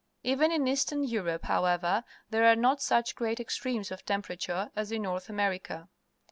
Even in East ern Europe, however, there are not such great extremes of temperature as in North America.